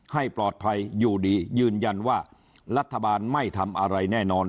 ให้ปลอดภัยอยู่ดียืนยันว่ารัฐบาลไม่ทำอะไรแน่นอน